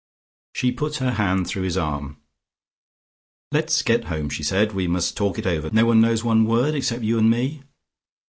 She put her hand through his arm. "Let's get home," she said. "We must talk it over. No one knows one word except you and me?"